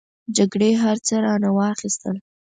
جګړې هر څه رانه واخستل.